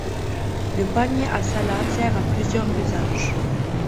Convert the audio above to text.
Le panier à salade sert à plusieurs usages.